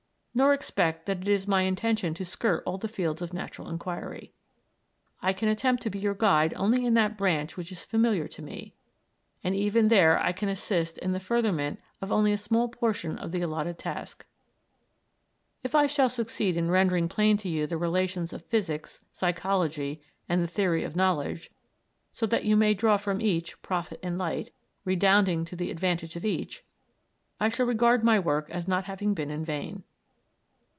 Nor expect that it is my intention to skirt all the fields of natural inquiry. I can attempt to be your guide only in that branch which is familiar to me, and even there I can assist in the furtherment of only a small portion of the allotted task. If I shall succeed in rendering plain to you the relations of physics, psychology, and the theory of knowledge, so that you may draw from each profit and light, redounding to the advantage of each, I shall regard my work as not having been in vain.